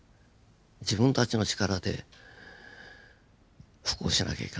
自分たちの力で復興しなきゃいけない。